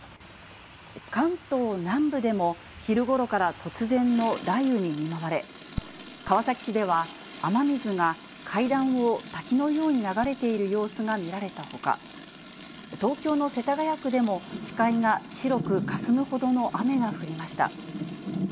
関東南部でも、昼ごろから突然の雷雨に見舞われ、川崎市では雨水が、階段を滝のように流れている様子が見られたほか、東京の世田谷区でも、視界が白くかすむほどの雨が降りました。